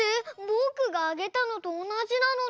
ぼくがあげたのとおなじなのに！